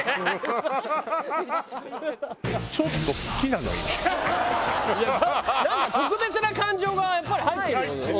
なんか特別な感情がやっぱり入ってるよね。